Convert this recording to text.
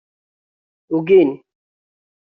Ugin.